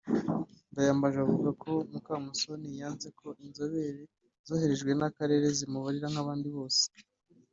Ndayambaje avuga ko Mukamusoni yanze ko inzobere zoherejwe n’Akarere zimubarira nk’abandi bose